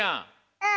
うん。